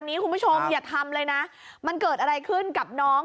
คุณผู้ชมอย่าทำเลยนะมันเกิดอะไรขึ้นกับน้อง